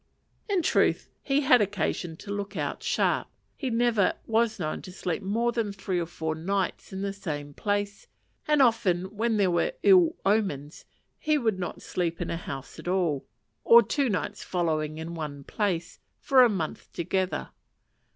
In truth, he had occasion to look out sharp. He never was known to sleep more than three or four nights in the same place, and often, when there were ill omens, he would not sleep in a house at all, or two nights following in one place, for a month together.